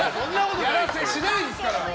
やらせしないです。